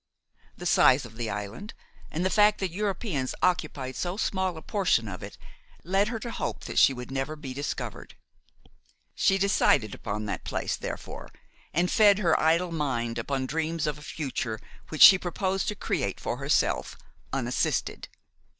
The size of the island and the fact that Europeans occupied so small a portion of it led her to hope that she would never be discovered. She decided upon that place, therefore, and fed her idle mind upon dreams of a future which she proposed to create for herself, unassisted.